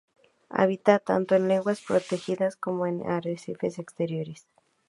Habita, tanto en lagunas protegidas, como en arrecifes exteriores.